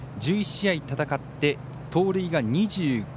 １１試合戦って盗塁が２５。